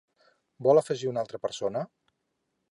Vol afegir una altra persona?